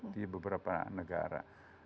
di beberapa negara